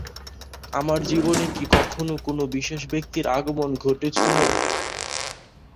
তোমার জীবনে কি কখনো কোনো বিশেষ ব্যাক্তির আগমন ঘটেছিল?